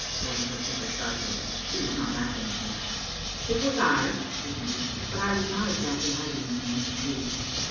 Gavin looked at her sharply, but she was not laugh ing at him. " It was I," he admitted; "but I was not exactly hid ing behind the tree."